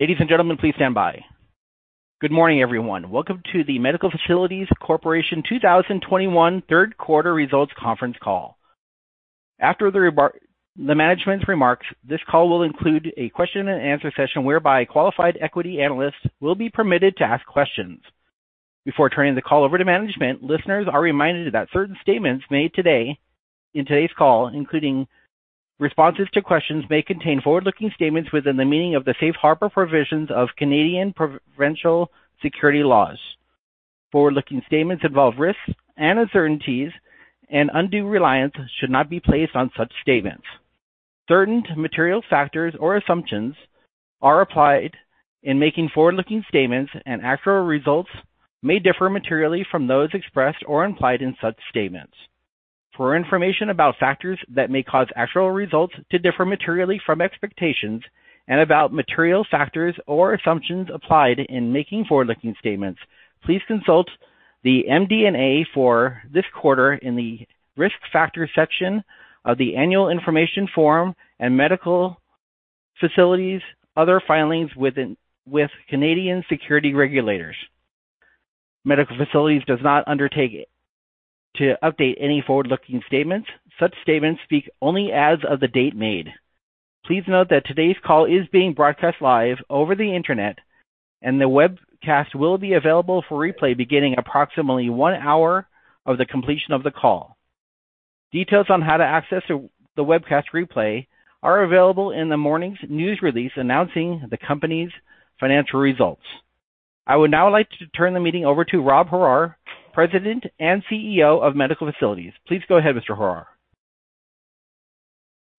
Good morning, everyone. Welcome to the Medical Facilities Corporation 2021 third quarter results conference call. After the management's remarks, this call will include a question and answer session whereby qualified equity analysts will be permitted to ask questions. Before turning the call over to management, listeners are reminded that certain statements made today, in today's call, including responses to questions, may contain forward-looking statements within the meaning of the safe harbor provisions of Canadian provincial securities laws. Forward-looking statements involve risks and uncertainties, and undue reliance should not be placed on such statements. Certain material factors or assumptions are applied in making forward-looking statements, and actual results may differ materially from those expressed or implied in such statements. For information about factors that may cause actual results to differ materially from expectations and about material factors or assumptions applied in making forward-looking statements, please consult the MD&A for this quarter in the Risk Factors section of the Annual Information Form and Medical Facilities' other filings with Canadian securities regulators. Medical Facilities does not undertake to update any forward-looking statements. Such statements speak only as of the date made. Please note that today's call is being broadcast live over the internet, and the webcast will be available for replay beginning approximately one hour after the completion of the call. Details on how to access the webcast replay are available in the morning's news release announcing the company's financial results. I would now like to turn the meeting over to Rob Harrar, President and CEO of Medical Facilities. Please go ahead, Mr. Harrar.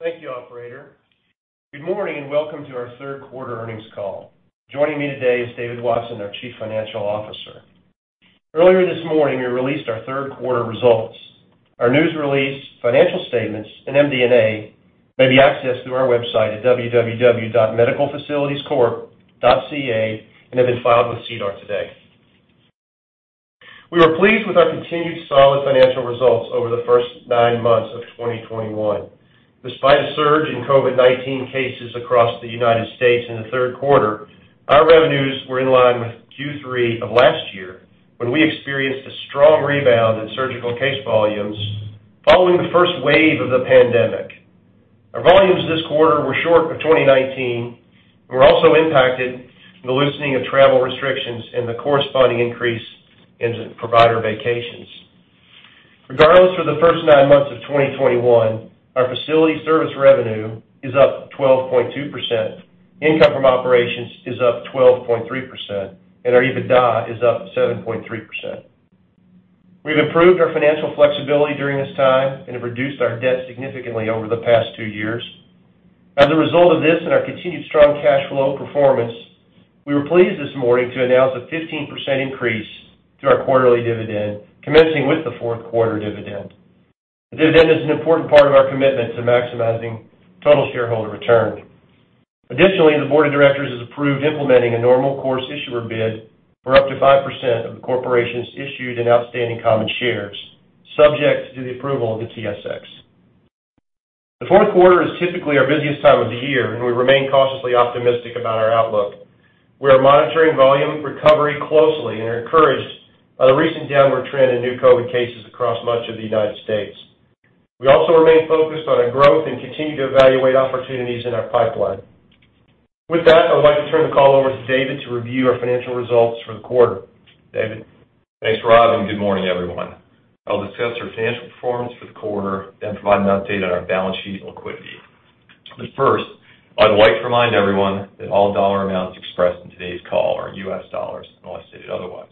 Thank you, operator. Good morning and welcome to our third quarter earnings call. Joining me today is David Watson, our Chief Financial Officer. Earlier this morning, we released our third quarter results. Our news release, financial statements, and MD&A may be accessed through our website at www.medicalfacilitiescorp.ca and have been filed with SEDAR today. We were pleased with our continued solid financial results over the first nine months of 2021. Despite a surge in COVID-19 cases across the United States in the third quarter, our revenues were in line with Q3 of last year, when we experienced a strong rebound in surgical case volumes following the first wave of the pandemic. Our volumes this quarter were short of 2019 and were also impacted by the loosening of travel restrictions and the corresponding increase in provider vacations. Regardless, for the first nine months of 2021, our facility service revenue is up 12.2%, income from operations is up 12.3%, and our EBITDA is up 7.3%. We've improved our financial flexibility during this time and have reduced our debt significantly over the past two years. As a result of this and our continued strong cash flow performance, we were pleased this morning to announce a 15% increase to our quarterly dividend commencing with the fourth quarter dividend. The dividend is an important part of our commitment to maximizing total shareholder return. Additionally, the board of directors has approved implementing a normal course issuer bid for up to 5% of the corporation's issued and outstanding common shares, subject to the approval of the TSX. The fourth quarter is typically our busiest time of the year, and we remain cautiously optimistic about our outlook. We are monitoring volume recovery closely and are encouraged by the recent downward trend in new COVID cases across much of the United States. We also remain focused on our growth and continue to evaluate opportunities in our pipeline. With that, I would like to turn the call over to David to review our financial results for the quarter. David? Thanks, Rob, and good morning, everyone. I'll discuss our financial performance for the quarter and provide an update on our balance sheet and liquidity. First, I'd like to remind everyone that all dollar amounts expressed in today's call are U.S. dollars unless stated otherwise.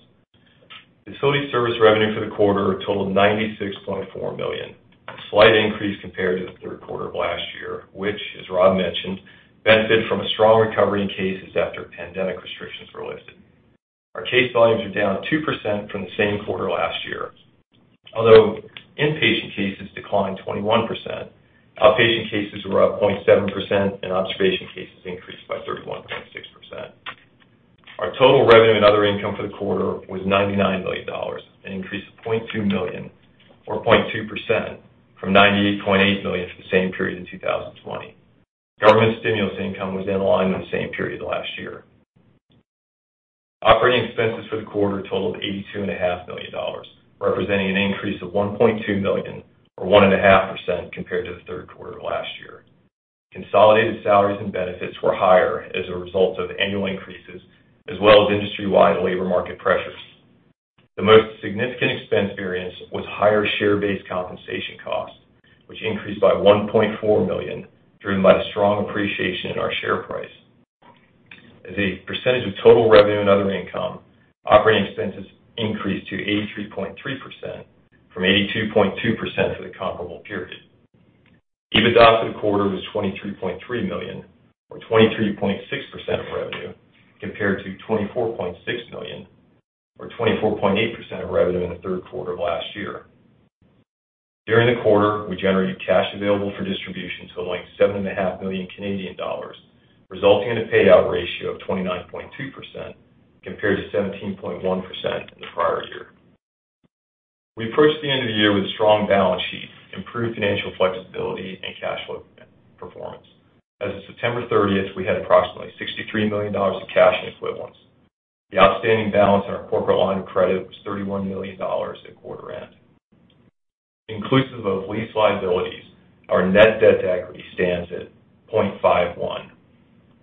Facility service revenue for the quarter totaled $96.4 million, a slight increase compared to the third quarter of last year, which, as Rob mentioned, benefited from a strong recovery in cases after pandemic restrictions were lifted. Our case volumes were down 2% from the same quarter last year. Although inpatient cases declined 21%, outpatient cases were up 0.7%, and observation cases increased by 31.6%. Our total revenue and other income for the quarter was $99 million, an increase of $0.2 million or 0.2% from $98.8 million for the same period in 2020. Government stimulus income was in line with the same period last year. Operating expenses for the quarter totaled $82.5 million, representing an increase of $1.2 million or 1.5% compared to the third quarter of last year. Consolidated salaries and benefits were higher as a result of annual increases as well as industry-wide labor market pressures. The most significant expense variance was higher share-based compensation costs, which increased by $1.4 million, driven by the strong appreciation in our share price. As a percentage of total revenue and other income, operating expenses increased to 83.3% from 82.2% for the comparable period. EBITDA for the quarter was $23.3 million or 23.6% of revenue compared to $24.6 million or 24.8% of revenue in the third quarter of last year. During the quarter, we generated cash available for distribution totaling 7.5 million Canadian dollars, resulting in a payout ratio of 29.2% compared to 17.1% in the prior year. We approached the end of the year with a strong balance sheet, improved financial flexibility, and cash flow performance. As of September 30th, we had approximately $63 million in cash and equivalents. The outstanding balance on our corporate line of credit was $31 million at quarter end. Inclusive of lease liabilities, our net debt to equity stands at 0.51.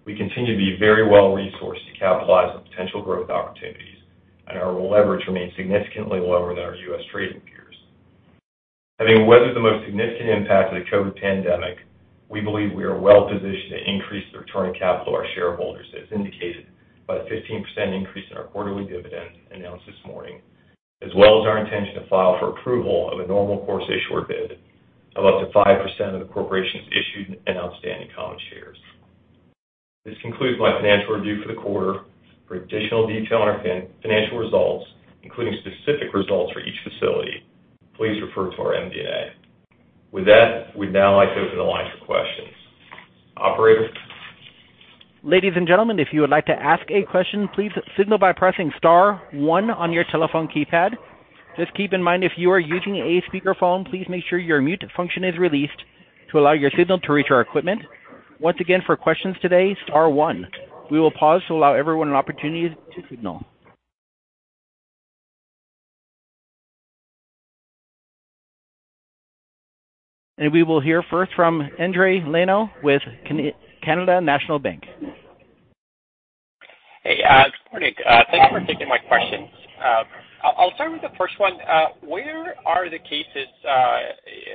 We continue to be very well-resourced to capitalize on potential growth opportunities, and our leverage remains significantly lower than our U.S. trading peers. Having weathered the most significant impact of the COVID pandemic, we believe we are well-positioned to increase the return on capital to our shareholders, as indicated by the 15% increase in our quarterly dividend announced this morning, as well as our intention to file for approval of a normal course issuer bid of up to 5% of the corporation's issued and outstanding common shares. This concludes my financial review for the quarter. For additional detail on our financial results, including specific results for each facility, please refer to our MD&A. With that, we'd now like to open the line for questions. Operator? Ladies and gentlemen, if you would like to ask a question, please signal by pressing star one on your telephone keypad. Just keep in mind, if you are using a speakerphone, please make sure your mute function is released to allow your signal to reach our equipment. Once again, for questions today, star one. We will pause to allow everyone an opportunity to signal. We will hear first from Endri Leno with National Bank of Canada. Hey, good morning. Thank you for taking my questions. I'll start with the first one. Where are the cases,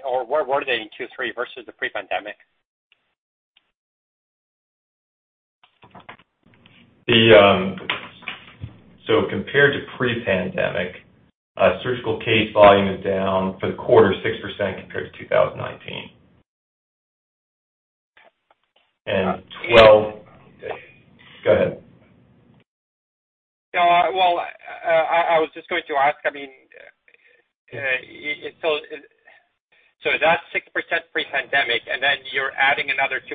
or where were they in Q3 versus the pre-pandemic? Compared to pre-pandemic, surgical case volume is down for the quarter 6% compared to 2019. Yeah. Go ahead. No, well, I was just going to ask, I mean, so that's 6% pre-pandemic, and then you're adding another 2%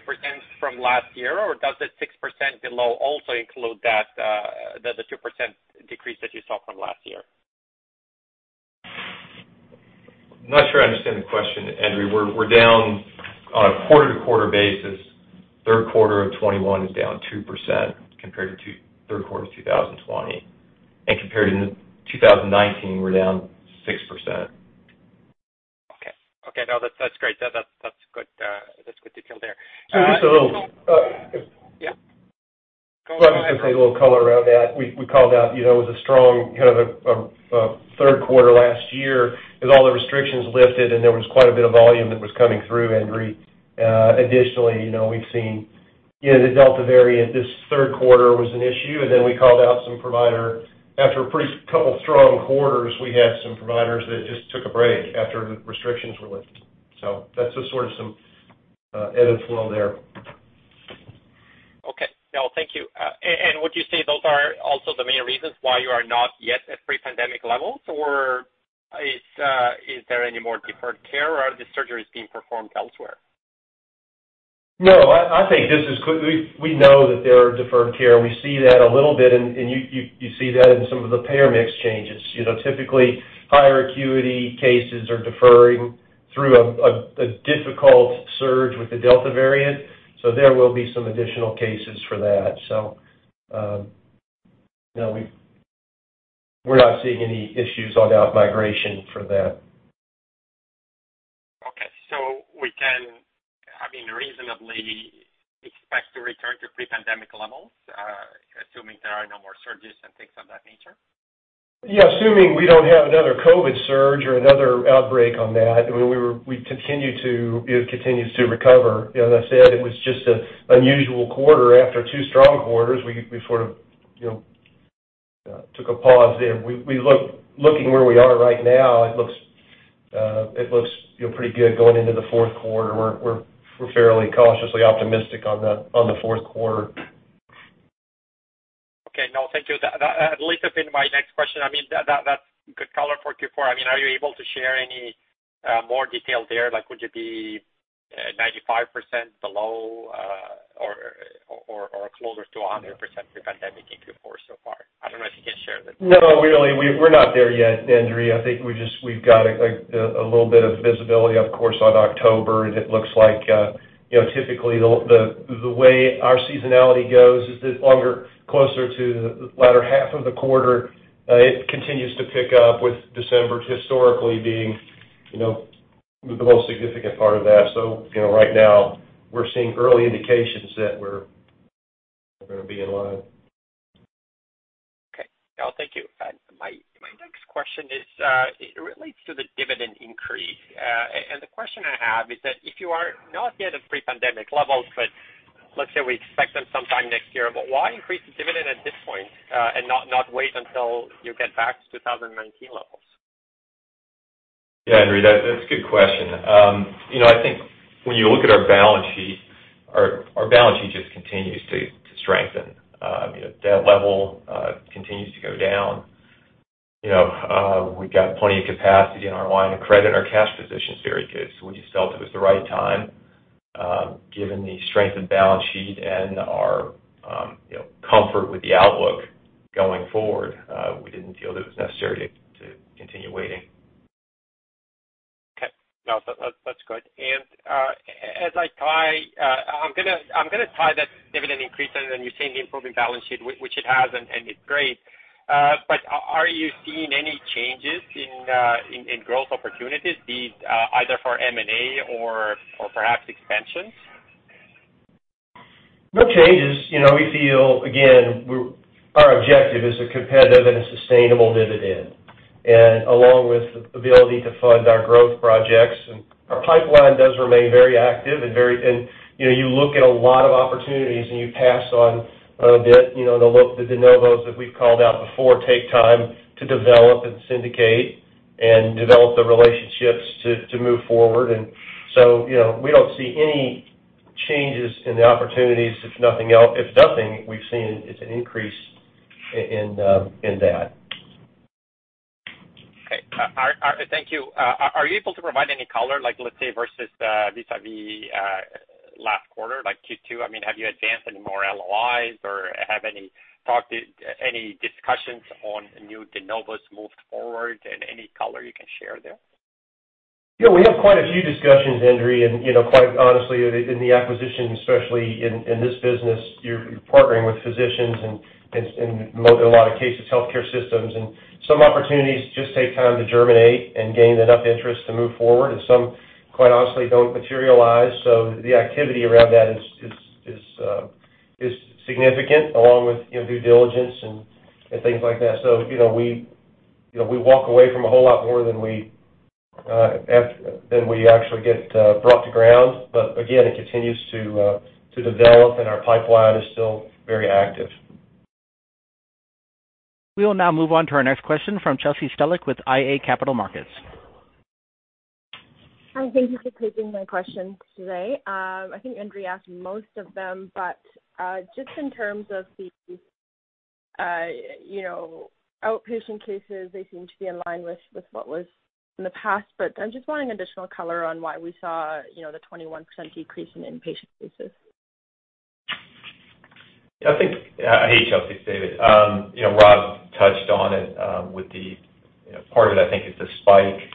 from last year, or does the 6% below also include that, the 2% decrease that you saw from last year? I'm not sure I understand the question, Endri. We're down on a quarter-to-quarter basis. Third quarter of 2021 is down 2% compared to third quarter of 2020. Compared to 2019, we're down 6%. Okay. No, that's great. That's good detail there. Just a little. Yeah. Go ahead. I'm just gonna put a little color around that. We called out, you know, it was a strong kind of a third quarter last year as all the restrictions lifted and there was quite a bit of volume that was coming through, Endri. Additionally, you know, we've seen, you know, the Delta variant. This third quarter was an issue, and then we called out some providers. After a couple of pretty strong quarters, we had some providers that just took a break after the restrictions were lifted. That's just sort of some added flow there. Okay. No, thank you. Would you say those are also the main reasons why you are not yet at pre-pandemic levels? Or is there any more deferred care, or are the surgeries being performed elsewhere? No, I think this is clear. We know that there are deferred care. We see that a little bit and you see that in some of the payer mix changes. You know, typically, higher acuity cases are deferring through a difficult surge with the Delta variant. So there will be some additional cases for that. So, you know, we're not seeing any issues on outmigration for that. Okay. We can, I mean, reasonably expect to return to pre-pandemic levels, assuming there are no more surges and things of that nature? Yeah, assuming we don't have another COVID surge or another outbreak on that, we continue to, you know, continues to recover. As I said, it was just an unusual quarter after two strong quarters. We sort of, you know, took a pause there. Looking where we are right now, it looks, you know, pretty good going into the fourth quarter. We're fairly cautiously optimistic on the fourth quarter. Okay. No, thank you. That had at least have been my next question. I mean, that's good color for Q4. I mean, are you able to share any more detail there? Like, would you be 95% below or closer to 100% pre-pandemic in Q4 so far? I don't know if you can share that. No, we don't. We're not there yet, Endri. I think we've got a little bit of visibility, of course, on October, and it looks like, you know, typically the way our seasonality goes is that longer closer to the latter half of the quarter, it continues to pick up, with December historically being, you know, the most significant part of that. You know, right now we're seeing early indications that we're gonna be in line. Okay. No, thank you. My next question is, it relates to the dividend increase. The question I have is that if you are not yet at pre-pandemic levels, but let's say we expect them sometime next year, but why increase the dividend at this point, and not wait until you get back to 2019 levels? Yeah, Endri, that's a good question. You know, I think when you look at our balance sheet, our balance sheet just continues to strengthen. You know, debt level continues to go down. You know, we've got plenty of capacity in our line of credit and our cash position is very good. We just felt it was the right time. Given the strength of our balance sheet and our comfort with the outlook going forward, we didn't feel it was necessary to continue waiting. Okay. No, that's good. As I try, I'm gonna tie that dividend increase and then you're seeing the improving balance sheet, which it has, and it's great. Are you seeing any changes in growth opportunities, either for M&A or perhaps expansions? No changes. You know, we feel, again, we're our objective is a competitive and a sustainable dividend, and along with the ability to fund our growth projects. Our pipeline does remain very active, and you know, you look at a lot of opportunities, and you pass on a bit, you know, the de novos that we've called out before take time to develop and syndicate and develop the relationships to move forward. You know, we don't see any changes in the opportunities. If nothing else, we've seen an increase in that. Okay. Are you able to provide any color, like, let's say, versus vis-à-vis last quarter, like Q2? I mean, have you advanced any more LOIs or have any talk, any discussions on new de novos moved forward and any color you can share there? Yeah, we have quite a few discussions, Endri, and, you know, quite honestly, in the acquisition, especially in this business, you're partnering with physicians and in a lot of cases, healthcare systems. Some opportunities just take time to germinate and gain enough interest to move forward. Some, quite honestly, don't materialize. The activity around that is significant along with, you know, due diligence and things like that. You know, we walk away from a whole lot more than we actually get brought to ground. Again, it continues to develop, and our pipeline is still very active. We will now move on to our next question from Chelsea Stehlik with iA Capital Markets. Hi, thank you for taking my questions today. I think Endri asked most of them, but just in terms of the you know, outpatient cases, they seem to be in line with what was in the past. I'm just wanting additional color on why we saw, you know, the 21% decrease in inpatient cases. Hey, Chelsea, it's David. You know, Rob touched on it with the, you know, part of it. I think is the spike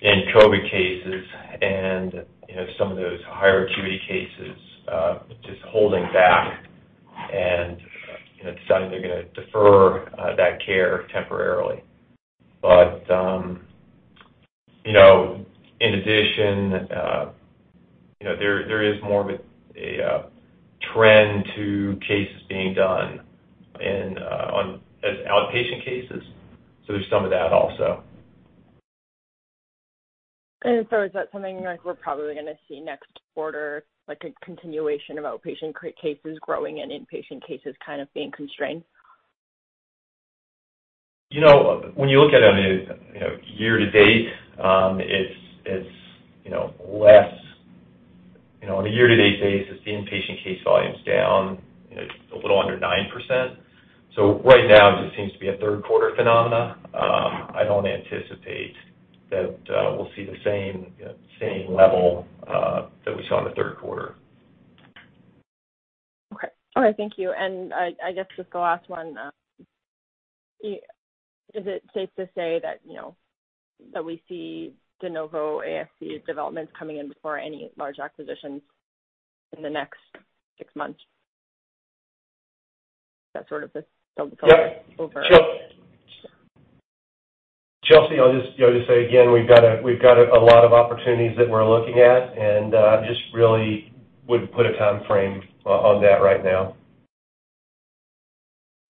in COVID cases and, you know, some of those higher acuity cases just holding back and, you know, deciding they're gonna defer that care temporarily. You know, in addition, you know, there is more of a trend to cases being done as outpatient cases. There's some of that also. Is that something, like, we're probably gonna see next quarter, like, a continuation of outpatient cases growing and inpatient cases kind of being constrained? You know, when you look at it on a year-to-date basis, it's less. You know, on a year-to-date basis, the inpatient case volume's down, you know, a little under 9%. Right now, it just seems to be a third quarter phenomenon. I don't anticipate that we'll see the same level that we saw in the third quarter. Okay. All right, thank you. I guess just the last one, is it safe to say that, you know, that we see de novo ASC developments coming in before any large acquisitions in the next six months? That's sort of the overall. Yeah. Chelsea, I'll just say again, we've got a lot of opportunities that we're looking at, and just really wouldn't put a timeframe on that right now.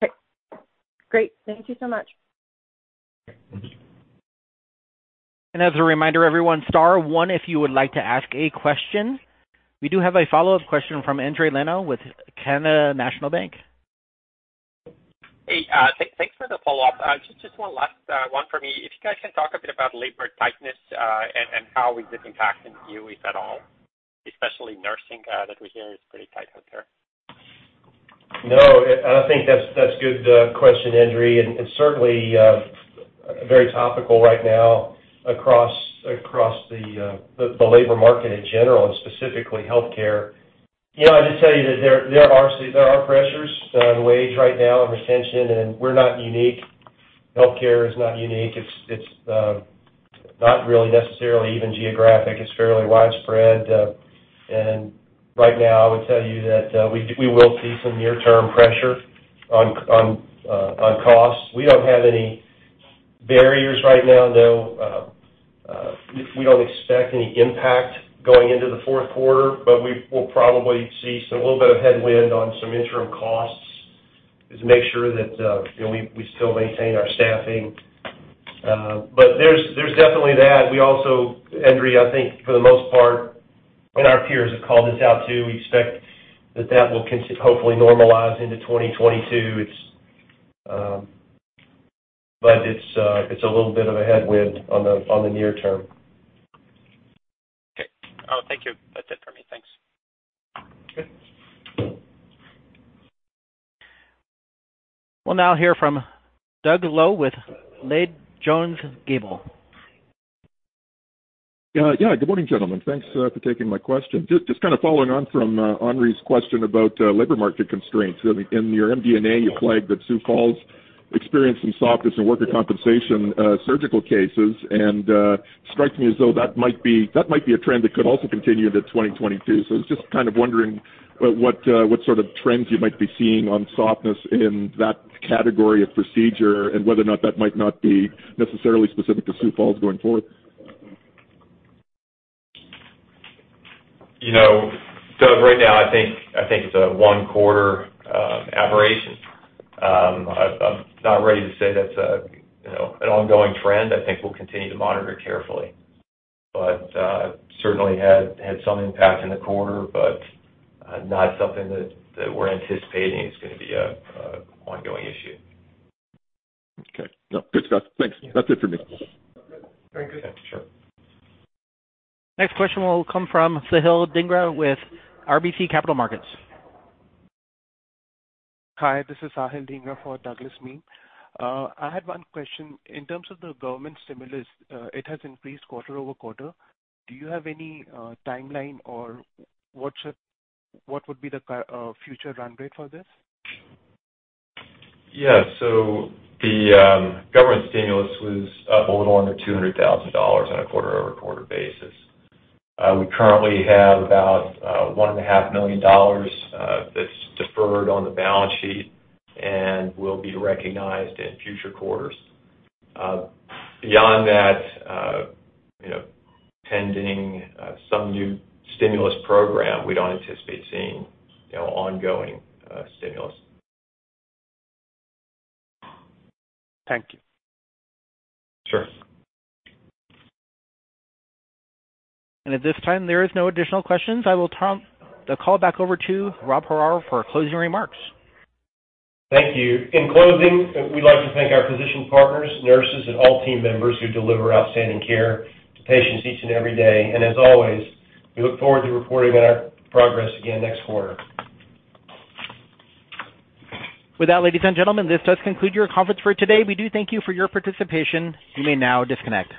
Okay. Great. Thank you so much. Okay. Thank you. As a reminder, everyone, star one if you would like to ask a question. We do have a follow-up question from Endri Leno with National Bank of Canada. Hey, thanks for the follow-up. Just one last one for me. If you guys can talk a bit about labor tightness, and how is it impacting you, if at all, especially nursing that we hear is pretty tight out there. No, I think that's a good question, Endri, and it's certainly very topical right now across the labor market in general and specifically healthcare. You know, I'll just tell you that there are pressures on wage right now and retention, and we're not unique. Healthcare is not unique. It's not really necessarily even geographic. It's fairly widespread. And right now, I would tell you that we will see some near-term pressure on costs. We don't have any barriers right now, we don't expect any impact going into the fourth quarter, but we will probably see some little bit of headwind on some interim costs to make sure that, you know, we still maintain our staffing. But there's definitely that. We also, Endri, I think for the most part, and our peers have called this out too, we expect that that will hopefully normalize into 2022. It's but it's a little bit of a headwind on the near term. Okay. Thank you. That's it for me. Thanks. Okay. We'll now hear from Doug Loe with Leede Jones Gable. Yeah. Good morning, gentlemen. Thanks for taking my question. Just kinda following on from Endri's question about labor market constraints. In your MD&A, you flagged that Sioux Falls experienced some softness in workers' compensation surgical cases, and strikes me as though that might be a trend that could also continue into 2022. I was just kind of wondering what sort of trends you might be seeing on softness in that category of procedure and whether or not that might not be necessarily specific to Sioux Falls going forward. You know, Doug, right now I think it's a one quarter aberration. I'm not ready to say that's a you know an ongoing trend. I think we'll continue to monitor it carefully. Certainly had some impact in the quarter, but not something that we're anticipating is gonna be a ongoing issue. Okay. No, good stuff. Thanks. That's it for me. Very good. Thanks, sure. Next question will come from Sahil Dhingra with RBC Capital Markets. Hi, this is Sahil Dhingra for Douglas Miehm. I had one question. In terms of the government stimulus, it has increased quarter-over-quarter. Do you have any timeline or what would be the future run rate for this? Yeah. The government stimulus was up a little under $200,000 on a quarter-over-quarter basis. We currently have about $1.5 million that's deferred on the balance sheet and will be recognized in future quarters. Beyond that, you know, pending some new stimulus program, we don't anticipate seeing, you know, ongoing stimulus. Thank you. Sure. At this time, there is no additional questions. I will turn the call back over to Rob Harrar for closing remarks. Thank you. In closing, we'd like to thank our physician partners, nurses, and all team members who deliver outstanding care to patients each and every day. As always, we look forward to reporting on our progress again next quarter. With that, ladies and gentlemen, this does conclude your conference for today. We do thank you for your participation. You may now disconnect.